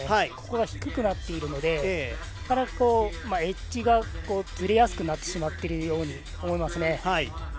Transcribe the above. ここが低くなっているのでなかなかエッジがずれやすくなってしまっているように思います。